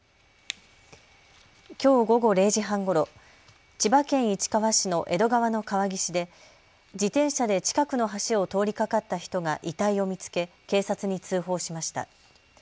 きょう午後０時半ごろ、千葉県市川市の江戸川の川岸で自転車で近くの橋を通りかかった人が遺体を見つけ警察に通報しました。